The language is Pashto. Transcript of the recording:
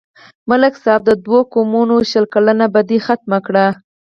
ملک صاحب د دوو قومونو شل کلنه بدي ختمه کړه.